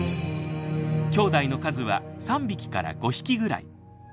きょうだいの数は３匹から５匹ぐらい。